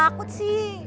udah keburuh takut sih